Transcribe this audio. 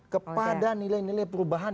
kepada nilai nilai perubahan